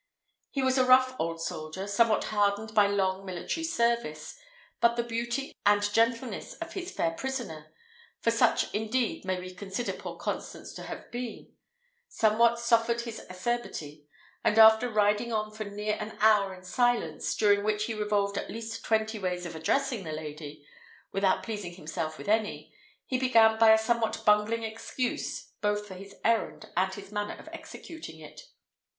He was a rough old soldier, somewhat hardened by long military service; but the beauty and gentleness of his fair prisoner (for such indeed may we consider poor Constance to have been) somewhat softened his acerbity; and after riding on for near an hour in silence, during which he revolved at least twenty ways of addressing the lady, without pleasing himself with any, he began by a somewhat bungling excuse, both for his errand and his manner of executing it.